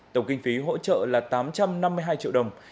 tổng kinh phí hỗ trợ là tám trăm năm mươi hai triệu đồng